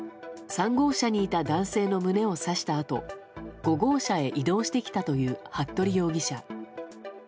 ３号車にいた男性の胸を刺したあと５号車へ移動してきたという服部容疑者。